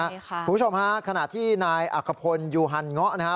คุณผู้ชมฮะขณะที่นายอักขพลยูฮันเงาะนะฮะ